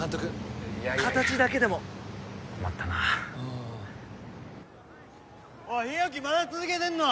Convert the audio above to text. いやいや形だけでも困ったなあ・おい日沖まだ続けてんの？